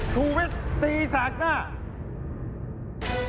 ชูวิทย์ตีแสกหน้า